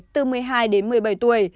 từ một mươi hai đến một mươi bảy tuổi